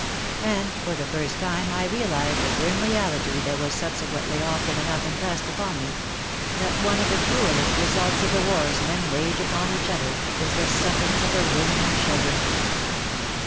And for the first time I realized a grim reality that was subsequently often enough impressed upon me — that one of the cruellest results of the wars men wage upon each other, is the sufferings of the women and children.